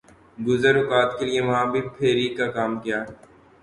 گزر اوقات کیلئے وہاں بھی پھیر ی کاکام کیا۔